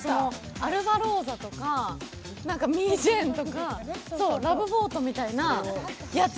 アルバローザとかミージェーンとかラブフォートみたいなやつ。